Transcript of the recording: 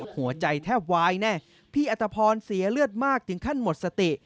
หัวใจแทบวายแน่พี่อัตภพรเสียเลือดมากถึงขั้นหมดสติ